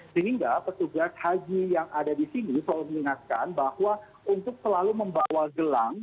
sehingga petugas haji yang ada di sini selalu mengingatkan bahwa untuk selalu membawa gelang